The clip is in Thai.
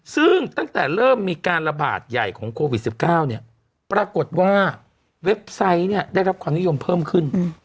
ซึ่งตั้งแต่เริ่มมีการระบาดใหญ่ของโควิด๑๙เนี่ยปรากฏว่าเว็บไซต์เนี่ยได้รับความนิยมเพิ่มขึ้น